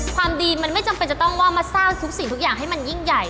ความดีมันไม่จำเป็นจะต้องว่ามาสร้างทุกสิ่งทุกอย่างให้มันยิ่งใหญ่